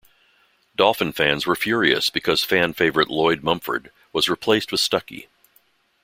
Dolphin fans were furious because fan favorite Lloyd Mumphord was replaced with Stuckey.